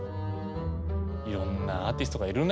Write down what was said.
いろんなアーティストがいるね。